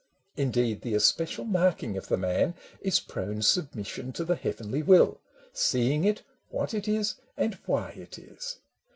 Indeed the especial marking of the man Is prone submission to the heavenly will — Seeing it, what it is, and why it is.